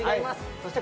そして？